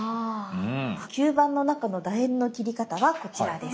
吸盤の中のだ円の切り方はこちらです。